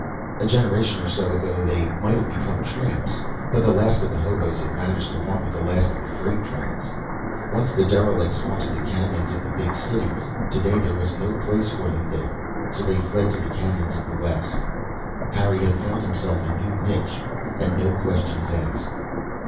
A generation or so ago they might have become tramps but the last of the hoboes had vanished along with the last of the freight trains. Once the derelicts haunted the canyons of the big cities; today there was no place for them there, so they fled to the canyons of the west. Harry had found himself a new niche, and no questions asked.